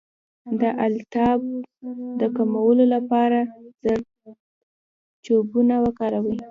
د التهاب د کمولو لپاره زردچوبه وکاروئ